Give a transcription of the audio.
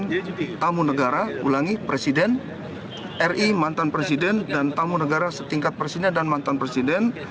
jadi tamu negara ulangi presiden ri mantan presiden dan tamu negara setingkat presiden dan mantan presiden